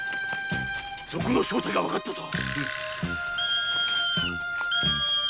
賊の正体がわかったぞ。